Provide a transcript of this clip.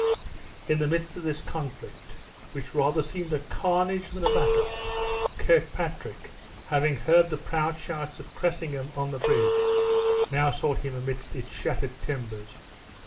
In the midst of this conflict, which rather seemed a carnage than a battle, Kirkpatrick, having heard the proud shouts of Cressingham on the bridge, now sought him amidst its shattered timbers.